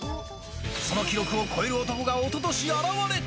その記録を超える男がおととし現れた。